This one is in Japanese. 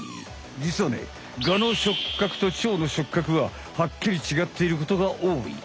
じつはねガの触角とチョウの触角ははっきり違っていることがおおい。